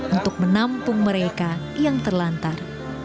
untuk menampung mereka yang terlantar